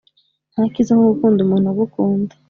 Ntakiza nkogukunda umuntu ugukunda